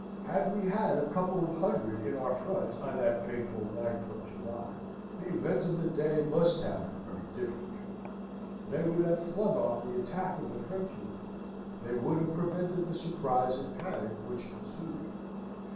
Had we had a couple of hundred in our front on that fatal 9th of July, the event of the day must have been very different. They would have flung off the attack of the French Indians; they would have prevented the surprise and panic which ensued.